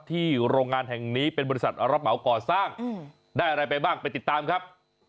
โรงงานแห่งนี้เป็นบริษัทรับเหมาก่อสร้างได้อะไรไปบ้างไปติดตามครับ